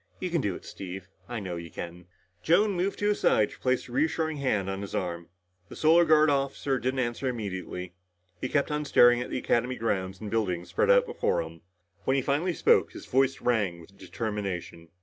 "You can do it, Steve. I know you can." Joan moved to his side to place a reassuring hand on his arm. The Solar Guard officer didn't answer immediately. He kept on staring at the Academy grounds and buildings spread out before him. When he finally spoke, his voice rang with determination.